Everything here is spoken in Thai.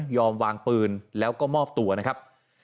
วางปืนแล้วก็มอบตัวนะครับ